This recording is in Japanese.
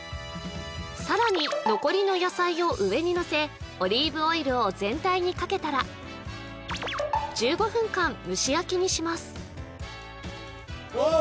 更に残りの野菜を上にのせオリーブオイルを全体にかけたら１５分間蒸し焼きにしますわ！